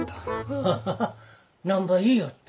ハハハッなんば言いよっと。